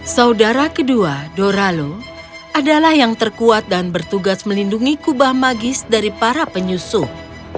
saudara kedua doralo adalah yang terkuat dan bertugas melindungi kubah magis dari para penyusuh